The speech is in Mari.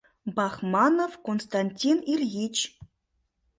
— Бахманов Константин Ильич.